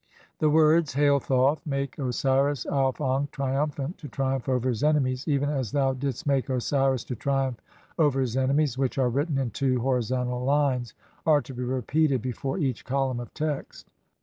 The words, "Hail, Thoth, make "Osiris Auf ankh, triumphant, to triumph over his enemies even "as thou didst make Osiris to triumph over his enemies," which are written in two horizontal lines, are to be repeated before each column of text.